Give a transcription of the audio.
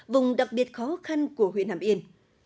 vùng đặc biệt khó khăn của huyện hàm yên